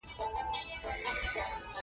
د مسلمانانو په کلاسیکو روایتونو کې ویل کیږي.